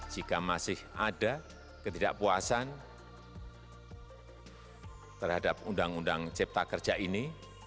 jika masih ada ketidakpuasan terhadap undang undang cipta kerja ini